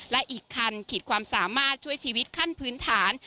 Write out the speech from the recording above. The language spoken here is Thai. และอีกคันขีดความสามารถช่วยชีวิตขั้นพื้นฐาน